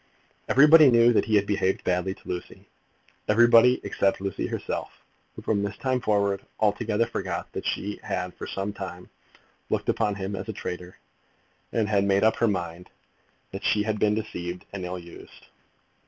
Everybody knew that he had behaved badly to Lucy, everybody, except Lucy herself, who, from this time forward, altogether forgot that she had for some time looked upon him as a traitor, and had made up her mind that she had been deceived and ill used.